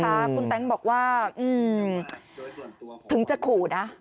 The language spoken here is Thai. คุณแต๊งบอกว่าถึงจะขู่นะ